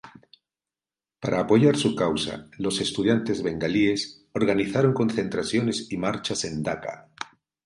Para apoyar su causa, los estudiantes bengalíes organizaron concentraciones y marchas en Daca.